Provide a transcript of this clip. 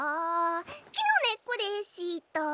「木の根っこでした」